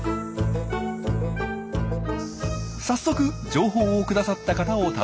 早速情報をくださった方を訪ねました。